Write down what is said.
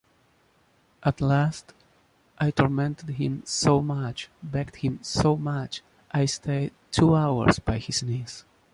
At last, I tormented him so much, begged him so much, I stayed two hours by his knees.